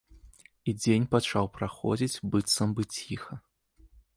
І дзень пачаў праходзіць быццам бы ціха.